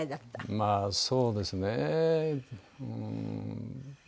まあそうですね。